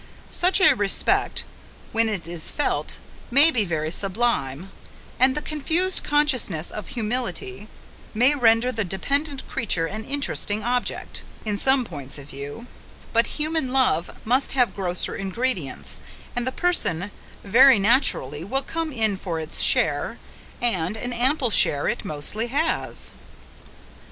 Such a respect, when it is felt, may be very sublime; and the confused consciousness of humility may render the dependent creature an interesting object, in some points of view; but human love must have grosser ingredients; and the person very naturally will come in for its share and, an ample share it mostly has!